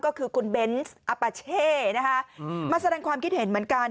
ก็คือคุณเบนส์อาปาเช่นะคะมาแสดงความคิดเห็นเหมือนกัน